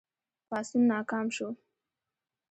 پاڅون ناکام شو.